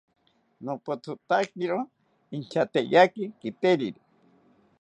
Nopothotakiro inchateyaki kiteriri